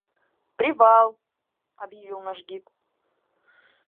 «Привал!» — объявил наш гид.